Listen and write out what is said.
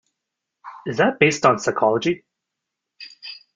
Is that based on psychology?